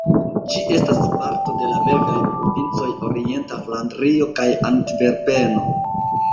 Ĝi estas parto de la belgaj provincoj Orienta Flandrio kaj Antverpeno.